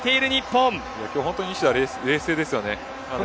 今日、本当に西田は冷静ですよね。